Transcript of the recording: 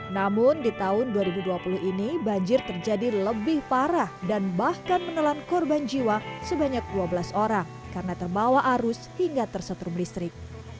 namun di tahun dua ribu dua puluh ini banjir terjadi lebih parah dan bahkan menelan korban jiwa sebanyak dua belas orang karena terbawa arus hingga tersetrum listrik